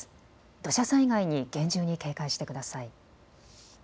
土砂災害に厳重に警戒してください。